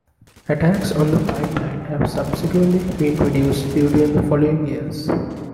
Attacks on the pipeline have subsequently been reduced during the following years.